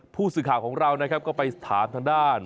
ผู้สื่อข่าวของเรานะครับก็ไปถามทางด้าน